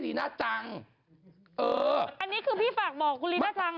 ลีน่าจังลีน่าจังลีน่าจังลีน่าจังลีน่าจังลีน่าจัง